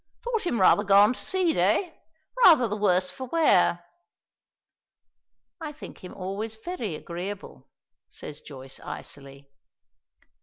"Thought him rather gone to seed, eh? Rather the worse for wear." "I think him always very agreeable," says Joyce, icily.